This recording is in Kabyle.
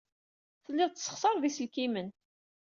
Tellid tessexṣared iselkimen.